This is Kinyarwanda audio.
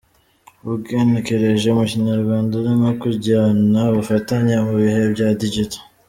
Ugenekereje mu Kinyarwanda ni nko kujyana ubufatanye mu bihe bya digital.